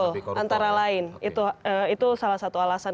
betul antara lain itu salah satu alasan